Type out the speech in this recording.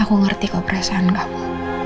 aku ngerti keperasaan kamu